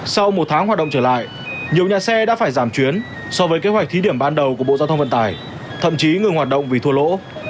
sau một tháng hoạt động trở lại nhiều nhà xe đã phải giảm chuyến so với kế hoạch thí điểm ban đầu của bộ giao thông vận tải thậm chí ngừng hoạt động vì thua lỗ